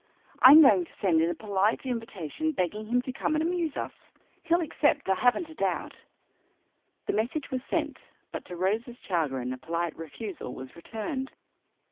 "I'm going to send in a polite invitation begging him to come and amuse us. He'll accept, I haven't a doubt." The message was sent, but to Rose's chagrin a polite refusal was returned.